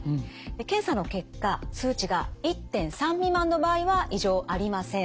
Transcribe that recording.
検査の結果数値が１．３未満の場合は異常ありません。